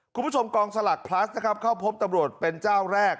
กองสลักพลัสนะครับเข้าพบตำรวจเป็นเจ้าแรก